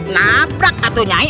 nabrak atuh nyai